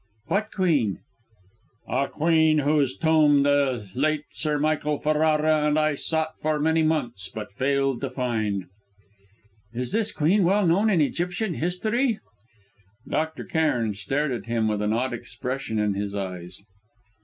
"What queen?" "A queen whose tomb the late Sir Michael Ferrara and I sought for many months, but failed to find." "Is this queen well known in Egyptian history?" Dr. Cairn stared at him with an odd expression in his eyes.